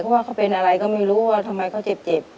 เพราะว่าเขาเป็นอะไรก็ไม่รู้ว่าทำไมเขาเจ็บ